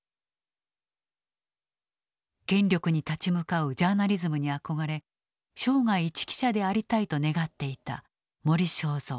権力に立ち向かうジャーナリズムに憧れ生涯一記者でありたいと願っていた森正蔵。